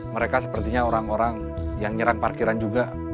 mereka sepertinya orang orang yang nyerang parkiran juga